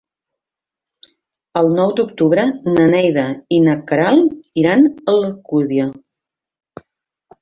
El nou d'octubre na Neida i na Queralt iran a l'Alcúdia.